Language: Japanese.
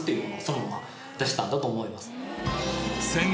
戦後